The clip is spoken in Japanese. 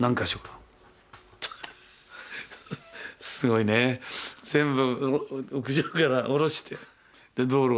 すごいね全部屋上から下ろして道路に置いて。